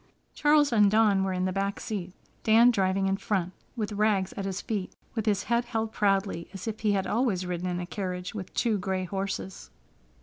Charles and Dawn were in the back seat, Dan driving in front, with Rags at his feet, with his head held proudly, as if he had always ridden in a carriage with two gray horses.